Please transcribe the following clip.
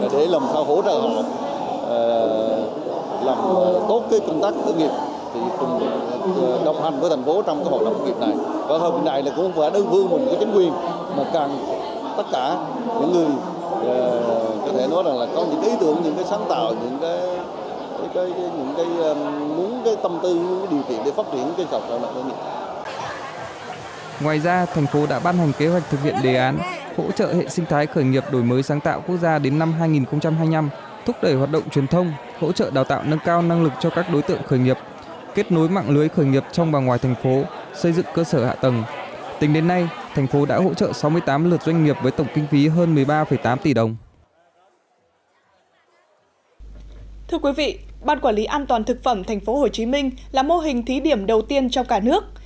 thưa quý vị ban quản lý an toàn thực phẩm tp hcm là mô hình thí điểm đầu tiên trong cả nước